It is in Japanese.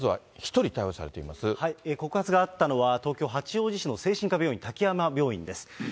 告発があったのは、東京・八王子市の精神科病院、滝山病院です。